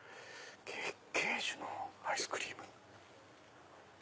月桂樹のアイスクリーム。